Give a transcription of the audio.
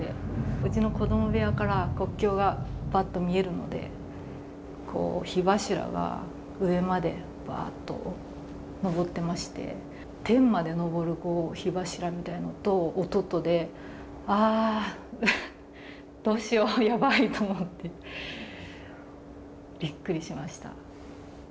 うちの子ども部屋から国境がばっと見えるので、こう、火柱が上までばーっと上ってまして、天まで上る火柱みたいなのと音とで、あー、どうしよう、やばいと思って、びっくりしました。